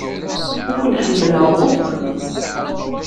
Ur ken-ḥemmleɣ akk.